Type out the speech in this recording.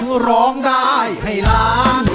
คือร้องได้ให้ล้าน